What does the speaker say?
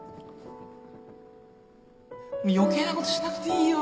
余計なことしなくていいよ